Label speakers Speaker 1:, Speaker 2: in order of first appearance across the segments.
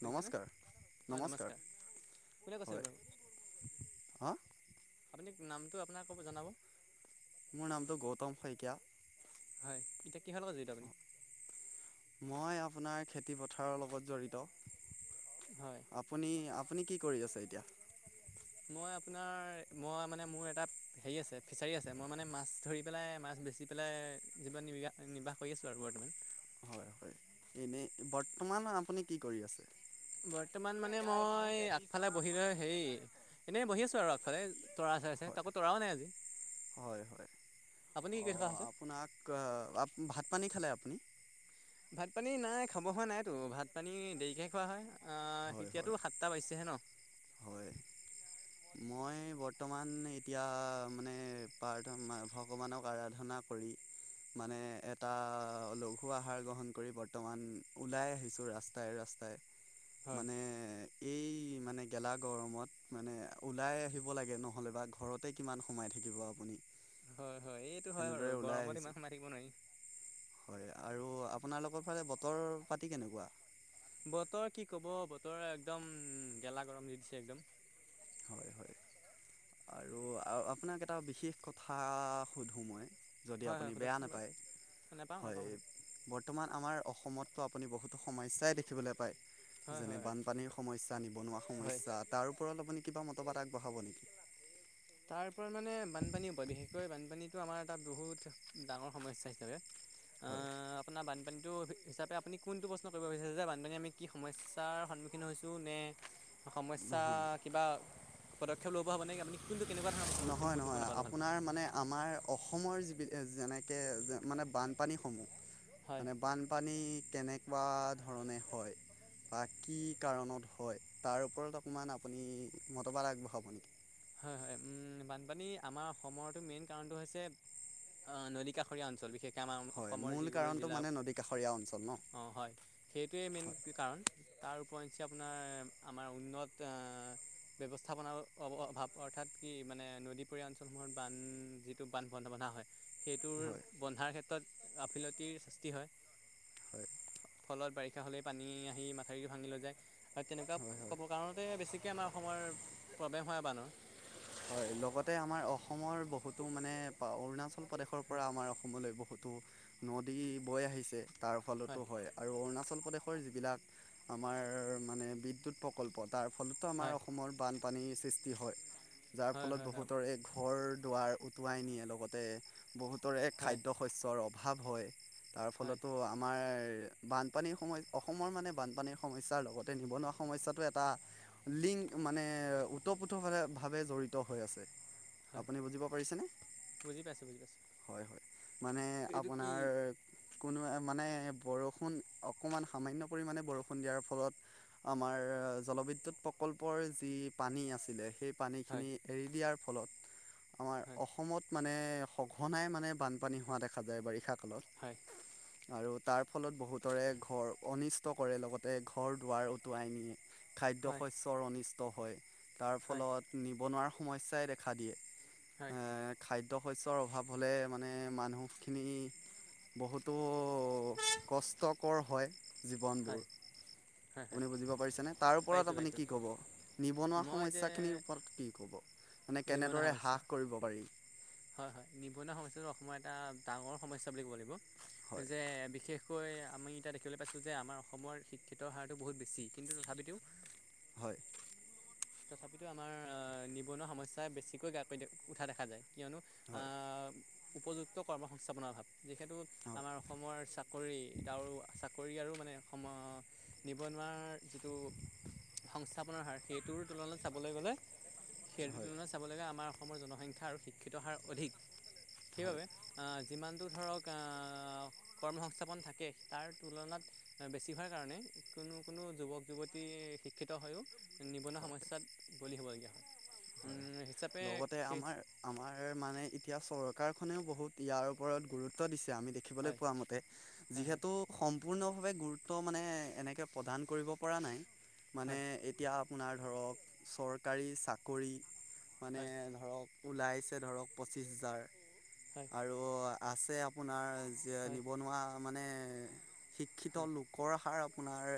Speaker 1: শুনিছেনে
Speaker 2: নমস্কাৰ, নমস্কাৰ
Speaker 1: কোনে কৈছিল
Speaker 2: হয়।
Speaker 1: বাৰু
Speaker 2: হা।
Speaker 1: আপুনি নামটো আপোনাক ক' জনাব।
Speaker 2: মোৰ নামটো গৌতম শইকীয়া।
Speaker 1: হয় এতিয়া কিহৰ লগত জৰিত আপুনি?
Speaker 2: মই আপোনাৰ খেতি পথাৰৰ লগত জড়িত।
Speaker 1: হয়
Speaker 2: আপুনি, আপুনি কি কৰি আছে এতিয়া।
Speaker 1: মই আপোনাৰ মই মানে মোৰ এটা হেৰি আছে ফিছাৰী আছে মই মানে, মাছ ধৰি পেলাই মাছ বেচি পেলাই। নিৰ্বাহ কৰি আছো আৰু বৰ্তমান।
Speaker 2: হয় হয় এনেই বৰ্তমান আপুনি কি কৰি আছে?
Speaker 1: বৰ্তমান মানে মই আগফালে বহি লৈ হেৰি এনে বহি আছো আৰু আগফালে তৰা। আছে, আছে
Speaker 2: হয়
Speaker 1: তাকো তৰা নাই আজি।
Speaker 2: হয়, হয়
Speaker 1: আপুনি কি
Speaker 2: অ
Speaker 1: কৰি থকা হৈছে
Speaker 2: আপোনাক ভ ভাত পানী খালে আপুনি?
Speaker 1: ভাত পানী নাই খাব হোৱা নাইতো ভাত পানী দেৰিকহে খোৱা হয়। অ
Speaker 2: হয়
Speaker 1: এতিয়াতো
Speaker 2: হয়
Speaker 1: সাতটা বাইিছেহে ন।
Speaker 2: হয় মই বৰ্তমান এতিয়া মানে প্ৰাৰ্থ ভগৱানক আৰাধনা কৰি মানে এটা লঘু আহাৰ গ্ৰহণ কৰি বৰ্তমান ওলাই আহিছো ৰাস্তাই, ৰাস্তাই।
Speaker 1: হয়
Speaker 2: মানে এই, মানে গেলা গৰমত মানে ওলাই আহিব লাগে নহ'লে বা ঘৰতে কিমান সোমাই থাকিব আপুনি।
Speaker 1: হয়, হয় এইটো হয়
Speaker 2: তেনেদৰে
Speaker 1: বাৰু
Speaker 2: ওলাই
Speaker 1: গৰমত
Speaker 2: আহিছোঁ
Speaker 1: ইমান সোমাই থাকিব‌ নোৱাৰি।
Speaker 2: হয় আৰু আপোনালোকৰ ফালে বতৰ পাতি কেনেকুৱা?
Speaker 1: বতৰ কি কব বতৰ একদম গেলা গৰম দি দিছে একদম।
Speaker 2: হয় হয়
Speaker 1: [inaudible]
Speaker 2: আৰু আপোনাক এটা বিশেষ কথা, সুধোঁ মই। যদি
Speaker 1: হয়
Speaker 2: আপুনি
Speaker 1: হয়
Speaker 2: বেয়া
Speaker 1: সোধকচোন
Speaker 2: নাপায়
Speaker 1: বাৰু নাপাওঁ
Speaker 2: হয়
Speaker 1: নাপাওঁ সোধক
Speaker 2: বৰ্তমান আমাৰ অসমততো আপুনি বহুতো সমস্যাই দেখিবলৈ পায়
Speaker 1: হয়
Speaker 2: যেনে
Speaker 1: হয়
Speaker 2: বানপানীৰ সমস্যা নিবনুৱা
Speaker 1: হয়
Speaker 2: সমস্যা তাৰ ওপৰত আপুনি কিবা মতবাদ আগবঢ়াব নেকি
Speaker 1: তাৰ পৰা মানে বানপানীও বিশেষক বানপানীটো আমাৰ এটা বহুত ডাঙৰ সমস্যা হিচাপে
Speaker 2: হয়
Speaker 1: আপোনাৰ বানপানী হিচাপে আপুনি কোনটো প্ৰশ্ন কৰিব বিচাৰে যে বানপানী আমি কি সমস্যাৰ সন্মুখীন হৈছোঁ নে সমস্যা
Speaker 2: নহয়
Speaker 1: কিবা, পদক্ষেপ লব হব নে আপুনি কোনটো কেনেকা ধৰণৰ প্ৰশ্ন সুধিছে মই
Speaker 2: নহয়
Speaker 1: বুজি পোৱা
Speaker 2: নহয়
Speaker 1: নাপালোঁ ভালকৈ
Speaker 2: আপোনাৰ মানে আমাৰ অসমৰ যি, যেনেকে যে মানে বানপানীসমূহ।
Speaker 1: হয়
Speaker 2: মানে বানপানী কেনেকুৱা ধৰণে হয়! বা কি কাৰণত হয় তাৰ ওপৰত অকমান আপুনি মতবাদ আগবঢ়াব নেকি?
Speaker 1: হয় হয় বানপানী আমাৰ অসমৰতো মেইন কাৰণটো হৈছে, অ নদী কাষৰীয়া অঞ্চল বিশেষ কে আমাৰ
Speaker 2: হয়
Speaker 1: অসমৰ
Speaker 2: মূল
Speaker 1: যিকো
Speaker 2: কাৰণটো
Speaker 1: জিলা
Speaker 2: মানে নদী কাষৰীয়া অঞ্চল ন
Speaker 1: অঁ হয় সেইটোৱেই মেইন
Speaker 2: হয়
Speaker 1: কাৰণ তাৰ ওপৰ‌ইঞ্চি আপোনাৰ আমাৰ উন্নত ব্যৱস্থাপনাৰ অ অভাৱ অৰ্থাৎ কি মানে নদীপৰীয়া অঞ্চলসমূহত বান যিটো বান বন্ধা বন্ধা হয় সেইটোৰ
Speaker 2: হয়
Speaker 1: বন্ধাৰ ক্ষেত্ৰত গাফিলতিৰ সৃষ্টি হয়।
Speaker 2: হয়
Speaker 1: ফলত বাৰিষা হ'লেই পানী আহি মাথাউৰিটো ভাঙি লৈ যায়। আৰু তেনেকুৱা
Speaker 2: হয় হয়
Speaker 1: ক'ব কাৰণতে বেছিকৈ আমাৰ অসমৰ আ প্ৰব্লেম হয় বানৰ
Speaker 2: হয় লগতে আমাৰ অসমৰ বহুতো মানে অৰুণাচল প্ৰদেশৰ পৰা আমাৰ অসমলৈ বহুতো নদী বৈ আহিছে তাৰ ফলতো হয় আৰু অৰুণাচল প্ৰদেশ যিবিলাক আমাৰ মানে বিদ্যুৎ প্ৰকল্প তাৰ ফলতো আমাৰ
Speaker 1: হয়
Speaker 2: অসমৰ বান পানীৰ সৃষ্টি হয় যাৰ
Speaker 1: হয়
Speaker 2: ফলত
Speaker 1: হয় হয়
Speaker 2: বহুতৰে ঘৰ দুৱাৰ উটুৱাই নিয়ে লগতে বহুতৰে
Speaker 1: হয় হয়
Speaker 2: খাদ্য শস্যৰ অভাৱ হয়। তাৰ
Speaker 1: হয়
Speaker 2: ফলতো আমাৰ বানপানী সম অসমৰ মানে বানপানীৰ সমস্যাৰ লগতে নিবনুৱা সমস্যাটো এটা লিং মানে ওতঃ-প্ৰোতঃ ভাৱে জড়িত হৈ আছে।
Speaker 1: হয়
Speaker 2: আপুনি বুজিব পাৰিছেনে?
Speaker 1: বুজি পাইছোঁ বুজি পাইছোঁ
Speaker 2: হয় হয় মানে
Speaker 1: এইটো কি
Speaker 2: আপোনাৰ কোনো মানে বৰষুণ অকণমান সামান্য পৰিমাণে বৰষুণ দিয়াৰ ফলত আমাৰ জলবিদ্যুৎ প্ৰকল্পৰ যি পানী আছিলে,
Speaker 1: হয়
Speaker 2: পানীখিনি এৰি দিয়াৰ ফলত আমাৰ
Speaker 1: হয়
Speaker 2: অসমত মানে সঘনাই মানে বানপানী হোৱা দেখা যায় বাৰিষা কালত।
Speaker 1: হয়
Speaker 2: আৰু তাৰ ফলত বহুতৰে ঘৰ অনিষ্ট কৰে লগতে ঘৰ দুৱাৰ উটুৱাই নিয়ে। খাদ্য
Speaker 1: হয়
Speaker 2: শস্যৰ অনিষ্ট হয়, তাৰ
Speaker 1: হয়
Speaker 2: ফলত নিবনুৱাৰ সমস্যাই দেখা
Speaker 1: হয় হয়
Speaker 2: দিয়ে। খাদ্য শস্যৰ অভাৱ হ'লে মানে মানুহখিনি, বহুতো কষ্টকৰ হয় জীৱনবোৰ।
Speaker 1: হয় হয়
Speaker 2: আপুনি বুজিব পাৰিছেনে? তাৰ ওপৰত
Speaker 1: পাইছোঁ
Speaker 2: আপুনি
Speaker 1: পাইছোঁ
Speaker 2: কি ক'ব? নিবনুৱা
Speaker 1: মই যে
Speaker 2: সমস্যা খিনিৰ ওপৰত কি ক'ব? মানে
Speaker 1: নিবনুৱা
Speaker 2: কেনেদৰে
Speaker 1: সমস্যা
Speaker 2: হ্ৰাস কৰিব পাৰি?
Speaker 1: হয় হয় নিবনুৱা সমস্যাটো অসমৰ এটা ডাঙৰ সমস্যা বুলি ক'ব লাগিব।
Speaker 2: হয়
Speaker 1: যে বিশেষ বিশেষকৈ আমি এতিয়া দেখিবলৈ পাইছোঁ যে আমাৰ অসমৰ শিক্ষিতৰ হাৰটো বহুত বেছি কিন্তু তথাপিতো
Speaker 2: হয়
Speaker 1: তথাপিতো আমাৰ আহ নিবনুৱা সমস্যা বেছিকৈ গ্ৰাহ কদ্য উঠা দেখা যায়। কিয়নো
Speaker 2: হয়
Speaker 1: আহ উপযুক্ত কৰ্ম সংস্থাপনৰ অভাৱ। যিহেতু
Speaker 2: হয়
Speaker 1: আমাৰ অসমৰ চাকৰি আৰু চ কৰি আৰু মানে সম নিবনুৱাৰ যিটো সংস্থাপনৰ হাৰ সেইটোৰ তুলনাত চাবলৈ গ'লে সেইটোৰ
Speaker 2: হয়
Speaker 1: তুলনাত চাবলৈ গে আমাৰ অসমৰ জনসংখ্যা আৰু শিক্ষিত হাৰ অধিক। সেইবাবে
Speaker 2: হয়
Speaker 1: যিমানটো ধৰক কৰ্মসংস্থাপন থাকে তাৰ তুলনাত বেছি হোৱাৰ কাৰণে, কোনো কোনো যুৱক যুৱতী শিক্ষিত হৈয়ও নিৱনোৱা
Speaker 2: হয়
Speaker 1: সমস্যাত বলি হ'বলগীয়া হয়।
Speaker 2: হয়
Speaker 1: হিচাপে
Speaker 2: লগতে
Speaker 1: সেই
Speaker 2: আমাৰ আমাৰ মানে এতিয়া চৰকাৰখনেও বহুত ইয়াৰ ওপৰত গুৰুত্ব দিছে। আমি দেখিবলৈ
Speaker 1: হয়
Speaker 2: পোৱা মতে
Speaker 1: হয়
Speaker 2: যিহেতু সম সম্পূৰ্ণভাৱে গুৰুত্ব মানে এনেকৈ প্ৰদান কৰিব পৰা নাই। মানে
Speaker 1: হয় হয়
Speaker 2: এতিয়া আপোনাৰ ধৰক চৰকাৰী চাকৰি, মানে
Speaker 1: হয়
Speaker 2: ধৰক ওলাইছে ধৰক পঁচিছ হাজাৰ
Speaker 1: হয়
Speaker 2: আৰু আছে আপোনাৰ যে
Speaker 1: হয় হয় হয় হয় হয় হয় হয় হয়
Speaker 2: নিবনুৱা মানে শিক্ষিত লোকৰ হাৰ আপোনাৰ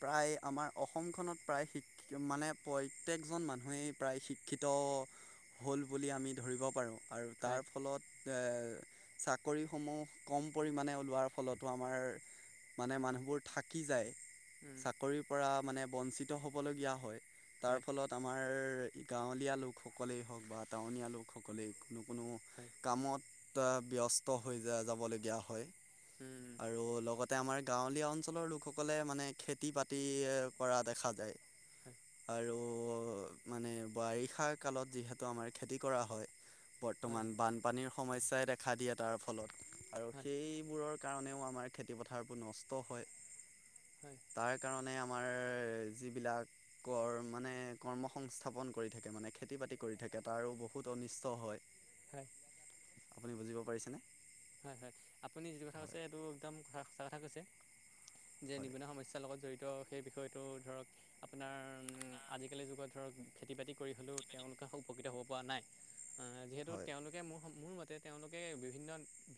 Speaker 2: প্ৰায় আমাৰ অসমখনত প্ৰায় শিক মানে প্ৰত্যেকজন মানুহেই প্ৰায় শিক্ষিত হ'ল বুলি আমি ধৰিব পাৰোঁ আৰু তাৰ
Speaker 1: হয়
Speaker 2: ফলত চাকৰি সমূহ কম পৰিমানে ওলোৱাৰ ফলতো আমাৰ মানে মানুহবোৰ থাকি যায় চাকৰিৰ পৰা মানে বঞ্চিত হ'বলগীয়া হয় তাৰ ফলত আমাৰ। গাঁৱলীয়া লোকসকলেই হওক বা টাউনীয়া লোকসকলেই কোনো কোনো কামত ব্যস্ত হৈ যাবলগীয়া হয় আৰু লগতে আমাৰ গাঁৱলীয়া অঞ্চলৰ লোকসকলে মানে খেতি বাতি কৰা দেখা যায়। আৰু মানে বাৰিষা কালত যিহেতু আমাৰ খেতি কৰা হয় বৰ্তমান বানপানীৰ সমস্যাই দেখা দিয়ে তাৰ ফলত আৰু সেইবোৰৰ কাৰণেও আমাৰ খেতিপথাৰবোৰ নষ্ট হয়
Speaker 1: হয় হয়
Speaker 2: তাৰ কাৰণে আমাৰ আমাৰ যিবিলাক ক মানে কৰ্ম সংস্থাপন কৰি থাকে মানে। খেতি বাতি কৰি থাকে তাৰো বহুত অনিষ্ট হয়
Speaker 1: হয়
Speaker 2: আপুনি বুজিব পাৰিছেনে
Speaker 1: হয় হয় আপুনি যিটো কথা কৈছে
Speaker 2: হয়
Speaker 1: এইটো একদম সঁচা কথা কৈছে যে
Speaker 2: হয়
Speaker 1: নিবনুৱা সমস্যাৰ লগত জড়িত সেই বিষয়টো ধৰক আপোনাৰ আজিকালি যুগত ধৰক খেতি বাতি কৰি হ'লেও তেওঁলোকে উপকৃত হ'ব পৰা নাই যিহেতু
Speaker 2: হয়
Speaker 1: তেওঁলোকে মোৰ মোৰ মতে তেওঁলোকে বিভিন্ন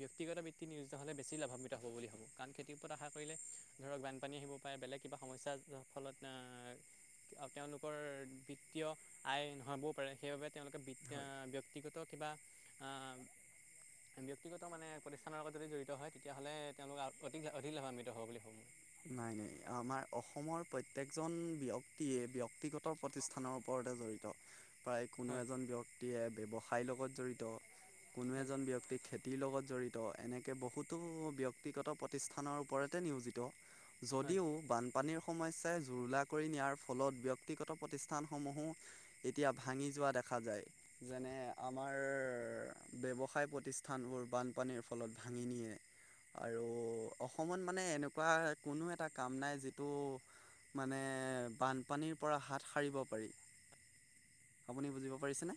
Speaker 1: ব্যক্তিগত বৃত্ত নিয়োজিত হ'লে বেছি লাভান্বিত' বুলি ভাবোঁ কাৰণ খেতিৰ উপৰত আশা কৰিলে আৰু বানপানী আহিব পাৰে বেলেগ কিবা কিবা সমস্যা ফলত আহ। তেওঁলোকৰ বিত্তীয় আয় নহবও পাৰে সেইবাবে তেওঁলোকে বি
Speaker 2: হয়
Speaker 1: ব্যক্তিগত বা ব্যক্তিগত মানে প্ৰতিষ্ঠানৰ লগত যদি জড়িত হয় তেতিয়াহ'লে তেওঁলোক অধিক অধিক লাভান্বিত হ'ব বুলি ভাবো
Speaker 2: নাই নাই আমাৰ অসমৰ প্ৰত্যেকজন ব্যক্তিয়ে ব্যক্তিগত প্ৰতিষ্ঠানৰ ওপৰত লগ জড়িত প্ৰায় কোনো
Speaker 1: হয়
Speaker 2: এজন ব্যক্তিয়ে ব্যৱসায়ৰ লগত জড়িত কোনো
Speaker 1: হয়
Speaker 2: এজন ব্যক্তিক খেতিৰ লগত জড়িত এনেকৈ বহুতো ব্যক্তিগত প্ৰতিষ্ঠানৰ ওপৰতে নিয়োজিত।
Speaker 1: হয়
Speaker 2: যদিও বানপানীৰ সমস্যা। জুৰুলা কৰি নিয়াৰ ফলত ব্যক্তিগত প্ৰতিষ্ঠান সমূহো এতিয়া ভাঙি যোৱা দেখা যায় যেনে আমাৰ ব্যৱসায় প্ৰতিষ্ঠানবোৰ বানপানীৰ ফলত ভাঙি নিয়ে আৰু অসমত মানে এনেকুৱা কোনো এটা কাম নাই যিটো মানে বানপানীৰ পৰা হাত সাৰিব পাৰি আপুনি বুজিব পাৰিছেনে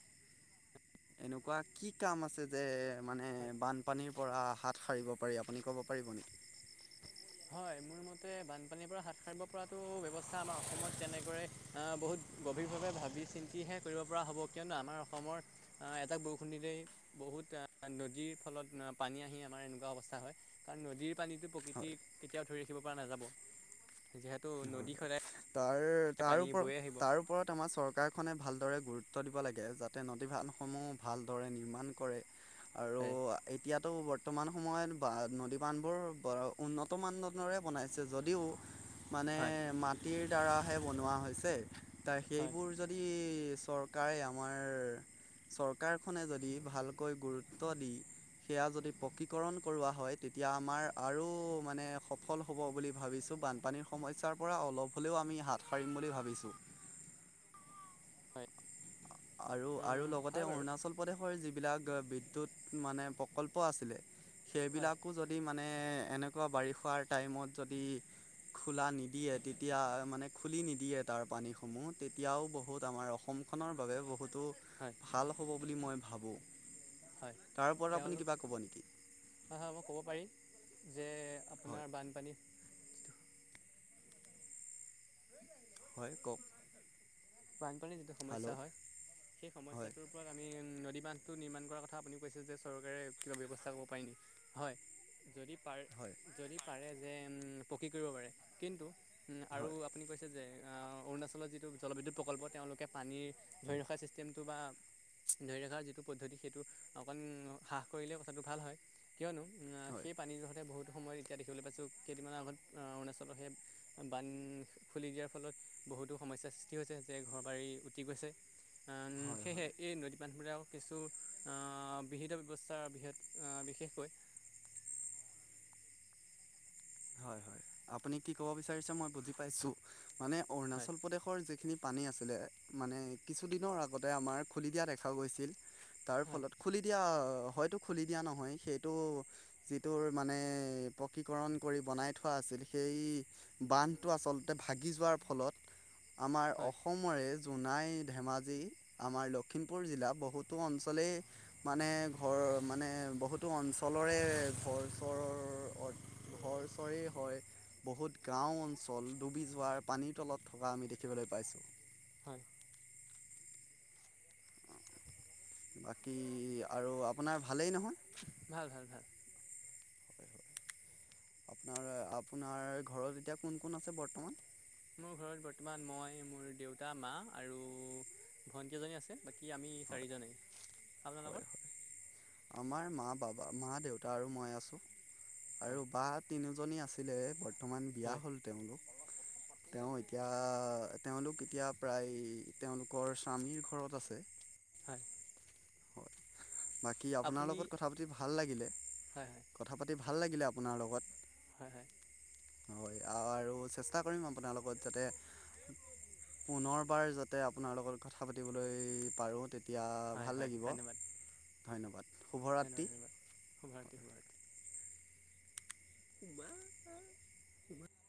Speaker 2: এনেকুৱা কি কাম আছে যে মানে
Speaker 1: হয়
Speaker 2: বানপানীৰ পৰা হাত সাৰিব পাৰি আপুনি ক'ব পাৰিব নেকি
Speaker 1: হয় মোৰ মতে বানপানীৰ পৰা হাত সাৰিব পৰাতো ব্যৱস্থা আমাৰ অসমত তেনেকৰে আহ বহুত। অভিকভাৱে ভাবি চিন্তিহে কৰিব পৰা হ'ব কিয়নো আমাৰ অসমৰ এটা বৰষুণৰেই বহুত। নদীৰ ফলত পানী আহি আমাৰ এনেকুৱা অৱস্থা হয় কাৰণ নদীৰ। পানীটো প্ৰকৃতি
Speaker 2: হয়
Speaker 1: কেতিয়াও ধৰি ৰাখিব পৰা নাযাব যিহেতু
Speaker 2: হয়
Speaker 1: নদী সদায়।
Speaker 2: তাৰ তাৰ
Speaker 1: পানী
Speaker 2: ওপৰত
Speaker 1: বৈ আহিব
Speaker 2: তাৰ ওপৰত আমাৰ চৰকাৰখনে ভালদৰে। গুৰুত্ব দিব লাগে যাতে নদী ভানসমূহ ভালদৰে নিৰ্মাণ কৰে। আৰু
Speaker 1: হয়
Speaker 2: এতিয়াতো বৰ্ত- বৰ্তমান সময়ত বা নদী বান্ধবোৰ উন্নত মানৰে বনাইছে যদিও। মানে
Speaker 1: হয়
Speaker 2: মাটিৰ দ্বাৰাহে বনোৱা হৈছে তাৰ
Speaker 1: হয়
Speaker 2: সেইবোৰ যদি। চৰকাৰে আমাৰ চৰকাৰখনে যদি ভালকৈ গুৰুত্ব দি। সেয়া যদি পকীকৰণ কৰোৱা হয় তেতিয়া আমাৰ আৰু মানে সফল হ'ব বুলি ভাবিছোঁ। বানপানী সমস্যাৰ পৰা অলপ হ'লেও আমি হাত সাৰিম বুলি ভাবিছোঁ।
Speaker 1: হয়
Speaker 2: আৰু আৰু লগতে
Speaker 1: হয় বাৰু
Speaker 2: অৰুণাচল প্ৰদেশৰ যি। বিলাগ বিদ্যুৎ মানে প্ৰকল্প আছিলে।
Speaker 1: হয়
Speaker 2: সেইবিলাকো যদি মানে। মানে এনেকুৱা বাৰিষাৰ টাইমত যদি। খোলা নিদিয়ে তেতিয়া মানে খুলি নিদিয়ে তাৰ পানীসমূহ, তেতিয়াও বহুত আমাৰ অসমখনৰ। সটো
Speaker 1: হয়
Speaker 2: ভাল হ'ব বুলি মই ভাবোঁ।
Speaker 1: হয়
Speaker 2: তাৰ ওপৰত আপুনি
Speaker 1: তেওঁলোক
Speaker 2: কিবা ক'ব নেকি?
Speaker 1: হয় হয় মই ক'ব পাৰিম যে
Speaker 2: হয়
Speaker 1: আপোনাৰ বানপানী। যিটো
Speaker 2: হয় কওক।
Speaker 1: বানপানীৰ যিটো সমস্যা
Speaker 2: হেল্ল'
Speaker 1: হয়। সেই
Speaker 2: হয়
Speaker 1: সমস্যাটোৰ ওপৰত আমি নদী। বান্ধ টো নিৰ্মাণ কৰা কথা আপুনি কৈছে যে, চৰকাৰে কিবা ব্যৱস্থা পাৰে নেকি? হয় যদি। পাৰ
Speaker 2: হয়
Speaker 1: যদি পাৰে যে পকী কৰিব পাৰে, কিন্তু। উম আৰু
Speaker 2: হয়
Speaker 1: আপুনি কৈছে যে আহ অৰুণাচলৰ যিটো জলবিদ্যুৎ। প্ৰকল্প তেওঁলোকে পানীৰ ধৰি ৰখা চিষ্টেমটো বা। ধৰি ৰখা যিটো পদ্ধতি সেইটো অকণ হ্ৰাস কৰিলে কথাটো ভাল হয়। কিয়নো
Speaker 2: হয়
Speaker 1: সেই পানীযোৰহতে বহুত। সময়ত এতিয়া দেখিবলৈ পাইছোঁ। কেইদিনমানৰ আগত অৰুণাচলৰ সেই বান্ধ খুলি দিয়াৰ ফলত। বহুতো সমস্যাৰ সৃষ্টি হৈছে যে, ঘৰ বাৰী উটি গৈছে। আন
Speaker 2: হয়
Speaker 1: সেয়েহে
Speaker 2: হয়
Speaker 1: এই নদী বান্ধবোৰে আও। কিছু অ বিহিত ব্যৱস্থাৰ বৃহৎ বিশেষকৈ।
Speaker 2: হয় হয়। আপুনি কি ক'ব বিচাৰিছে মই বুজি পাইছো। মানে
Speaker 1: হয়
Speaker 2: অৰুণাচল প্ৰদেশৰ যিখিনি। পানী আছিলে মানে কিছুদিনৰ আগতে আমাৰ খুলি দিয়া দেখাও গৈছিল। তাৰ
Speaker 1: হয়
Speaker 2: ফলত খুলি দিয়া হয়তো খুলি দিয়া নহয়, সেইটো যিটোৰ মানে। পকীকৰণ। কৰি বনাই থোৱা আছিল। সেই বান্ধটো আচলতে ভাগি যোৱাৰ ফলত। আমাৰ
Speaker 1: হয়
Speaker 2: অসমৰে। জোনাই, ধেমাজি আমাৰ লখিমপুৰ জিলা বহুতো অঞ্চলেই মানে ঘৰ। মানে বহুতো অঞ্চলৰে ঘৰ চৰ অৰ। ঘৰ চৰেই হয়। বহুত গাঁও অঞ্চল ডুবি যোৱাৰ পানীৰ তলত থকা আমি দেখিবলৈ পাইছোঁ।
Speaker 1: হয়।
Speaker 2: বাকী আৰু আপোনাৰ ভালেই নহয়?
Speaker 1: ভাল ভাল ভাল।
Speaker 2: হয় হয়। আপোনাৰ আপোনাৰ ঘৰত এতিয়া কোন কোন আছে বৰ্তমান?
Speaker 1: মোৰ ঘৰত বৰ্তমান মই মোৰ দেউতা, মা আৰু ভন্টি এজনী আছে। বাকী আমি
Speaker 2: হয়
Speaker 1: চাৰিজনেই।
Speaker 2: হয়
Speaker 1: আপোনালোকৰ?
Speaker 2: হয় আমাৰ মা বাবা, মা দেউতা আৰু মই আছো। আৰু
Speaker 1: হয়
Speaker 2: বা তিনিও। জনি আছিলে বৰ্তমান বিয়া
Speaker 1: হয়
Speaker 2: হল তেওঁলোক। তেওঁ এতিয়া তেওঁলোক। এতিয়া প্ৰায় তেওঁলোকৰ স্বামীৰ ঘৰত আছে।
Speaker 1: হয়।
Speaker 2: হয় বাকী আপোনাৰ
Speaker 1: আপুনি
Speaker 2: লগত কথা পাতি ভাল লাগিলে।
Speaker 1: হয়
Speaker 2: কথা পাতি ভাল লাগিলে আপোনাৰ লগত।
Speaker 1: হয় হয়
Speaker 2: আৰু চেষ্টা কৰিম আপোনাৰ লগত যাতে। পুনৰবাৰ যাতে আপোনাৰ লগত কথা পাতিবলৈ পাৰো। তেতি য়া
Speaker 1: হয়
Speaker 2: ভাল
Speaker 1: হয় হয়
Speaker 2: লাগিব।
Speaker 1: ধন্যবাদ
Speaker 2: ধন্যবাদ। [unintelligible]
Speaker 1: [inaudible]
Speaker 2: [unintelligible] [inaudible]